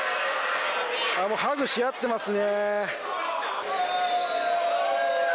ああ、もうハグし合ってますね。